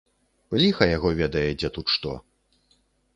Ліха яго ведае, дзе тут што.